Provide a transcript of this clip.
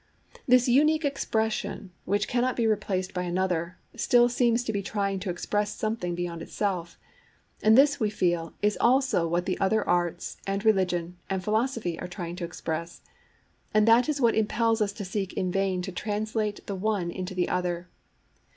This unique expression, which cannot be replaced by any other, still seems to be trying to express something beyond itself. And this, we feel, is also what the other arts, and religion, and philosophy are trying to express: and that is what impels us to seek in vain to translate the one into the other.